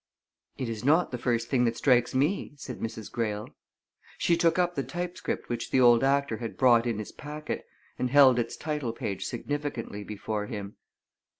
"It is not the first thing that strikes me," said Mrs. Greyle. She took up the typescript which the old actor had brought in his packet, and held its title page significantly before him.